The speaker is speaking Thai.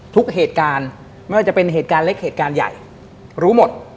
ทุกเหตุการณ์ไม่ว่าจะเป็นเหตุการณ์เล็กเหตุการณ์ใหญ่รู้หมด